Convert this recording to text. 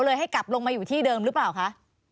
ให้กลับลงมาอยู่ที่เดิมหรือเปล่าคะ